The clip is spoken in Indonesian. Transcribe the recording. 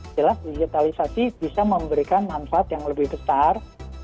jelas digitalisasi bisa memberikan manfaat yang lebih besar